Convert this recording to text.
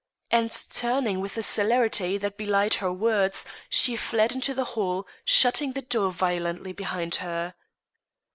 And turning with a celerity that belied her words, she fled into the hall, shutting the door violently behind her.